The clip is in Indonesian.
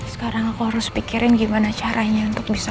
sekarang aku harus pikirin gimana caranya untuk bisa